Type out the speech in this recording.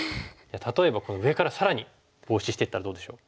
例えば上から更にボウシしていったらどうでしょう。